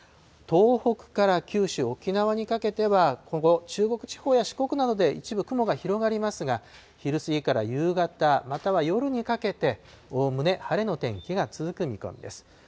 東北から九州、沖縄にかけては今後、中国地方や四国地方などで一部、雲が広がりますが、昼過ぎから夕方、または夜にかけておおむね晴れの天気が続く見込みです。